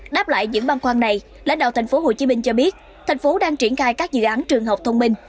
đáp lại những băng khoan này lãnh đạo thành phố hồ chí minh cho biết thành phố đang triển khai các dự án trường học thông minh